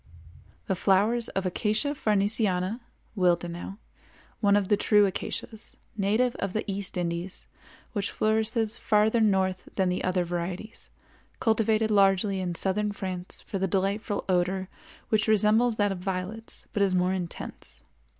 The flowers of Acacia farnesiana (Willd.), one of the true acacias, native of the East Indies, which flourishes farther north than the other varieties, cultivated largely in southern France for the delightful odor which resembles that of violets but is more intense.